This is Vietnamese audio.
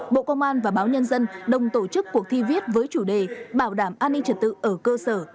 bộ công an và báo nhân dân đồng tổ chức cuộc thi viết với chủ đề bảo đảm an ninh trật tự ở cơ sở